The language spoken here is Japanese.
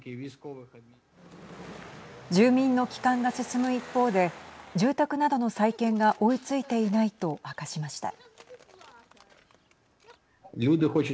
住民の帰還が進む一方で住宅などの再建が追いついていないと明かしました。